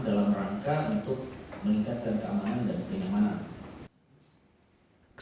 dalam rangka untuk meningkatkan keamanan dan kenyamanan